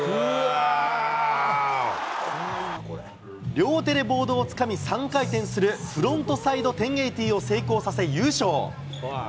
両手でボードをつかみ３回転するフロントサイド１０８０を成功させ優勝。